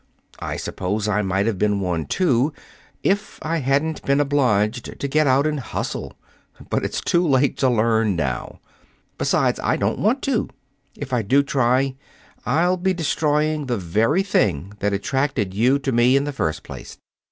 I suppose I might have been one, too, if I hadn't been obliged to get out and hustle. But it's too late to learn now. Besides, I don't want to. If I do try, I'll be destroying the very thing that attracted you to me in the first place.